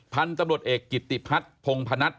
พันธุ์ตำรวจเอกกิติพัฒน์พงพนัท